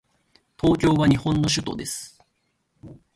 東京は日本の首都です。